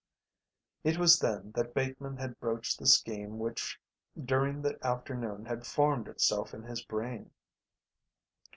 It was then that Bateman had broached the scheme which during the afternoon had formed itself in his brain.